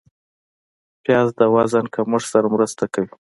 پیاز د وزن کمښت سره مرسته کوي